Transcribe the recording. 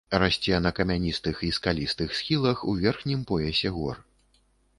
Расце на камяністых і скалістых схілах у верхнім поясе гор.